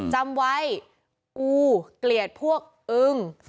จำไว้กูเกลียดพวกอึ้ง